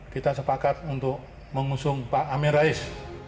kita sepakat untuk mengusung pak amin rais